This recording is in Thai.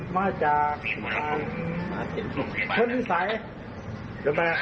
มาจากท่อนที่ไซค์